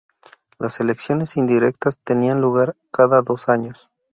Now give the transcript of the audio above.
Las elecciones indirectas tenían lugar cada dos años.